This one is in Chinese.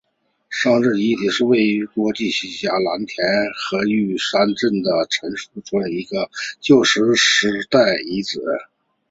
上陈遗址是位于中国陕西省蓝田县玉山镇上陈村的一处旧石器时代遗址。